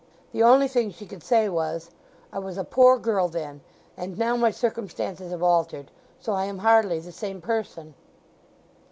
The only thing she could say was, "I was a poor girl then; and now my circumstances have altered, so I am hardly the same person."